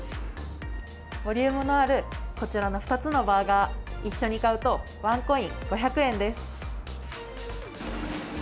ボリュームのある、こちらの２つのバーガー、一緒に買うとワンコイン、５００円です。